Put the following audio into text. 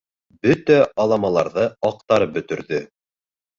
Бөтә аламаларҙы аҡтарып бөтөрҙө.